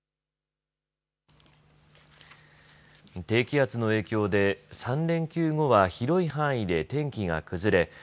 低気圧の影響で３連休後は広い範囲で天気が崩れ